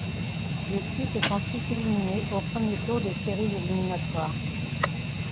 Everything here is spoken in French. L'équipe est ensuite éliminée au premier tour des séries éliminatoires.